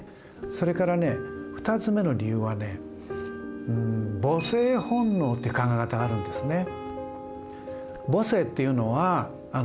それからね２つ目の理由はね母性本能っていう考え方があるんですね。